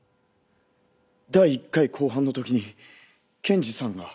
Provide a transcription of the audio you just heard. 第一回公判の時に検事さんが。